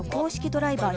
ドライバー